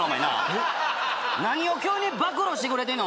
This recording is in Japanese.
えっ何を急に暴露してくれてんの